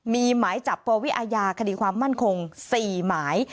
มีหมายจับปวิอาญาคดีความมั่นคง๔หมาย